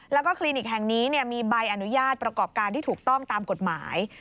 แล้วก็คลินิกแห่งนี้มีใบอนุญาตประกอบการที่ถูกต้องตามกฎหมาย